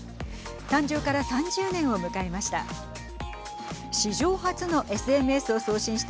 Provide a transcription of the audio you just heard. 誕生から３０年を迎えました。